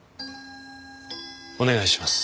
お願いします。